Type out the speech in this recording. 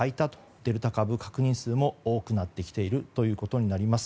デルタ株の確認数も多くなってきているということになります。